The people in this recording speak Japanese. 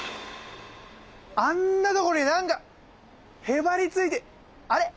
あんなとこに何かへばりついてあれ